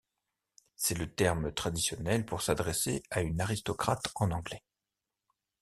C'est le terme traditionnel pour s'adresser à une aristocrate en anglais.